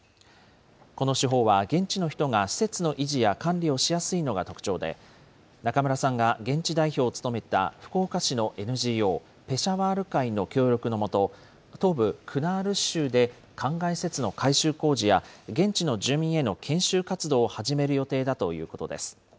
この手法は、現地の人が施設の維持や管理をしやすいのが特徴で、中村さんが現地代表を務めた福岡市のＮＧＯペシャワール会の協力の下、東部クナール州でかんがい施設の改修工事や、現地の住民への研修活動を始める予定だということです。